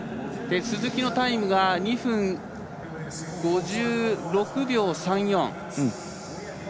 鈴木のタイムが２分５６秒３４。